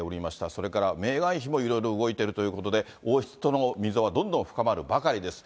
それからメーガン妃もいろいろ動いているということで、王室との溝がどんどん深まるばかりです。